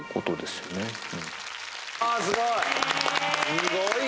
すごい！